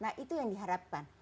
nah itu yang diharapkan